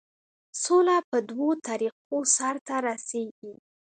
سوله په دوو طریقو سرته رسیږي.